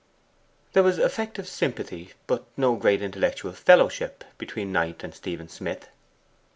There was affective sympathy, but no great intellectual fellowship, between Knight and Stephen Smith.